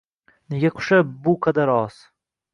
— Nega qushlar bu qadar oz?